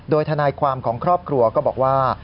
โดยทนายความของครอบครัวก็บอกว่า